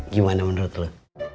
gimana menurut lu